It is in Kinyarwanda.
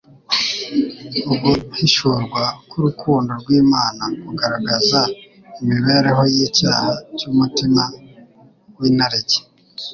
Uguhishurwa k'urukundo rw'Imana kugaragaza imibereho y'icyaha cy'umutima w'inarijye.